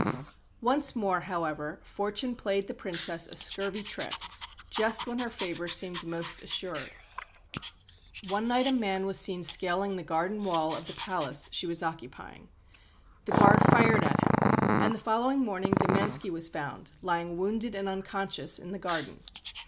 Once more, however, fortune played the Princess a scurvy trick, just when her favour seemed most assured. One night a man was seen scaling the garden wall of the palace she was occupying. The guard fired at him, and the following morning Domanski was found, lying wounded and unconscious in the garden.